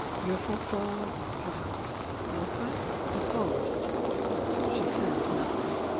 Your thoughts are, perhaps, elsewhere?" He paused, — but she said nothing.